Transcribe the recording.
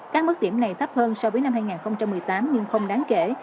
các mức điểm này thấp hơn so với năm hai nghìn một mươi tám nhưng không đáng kể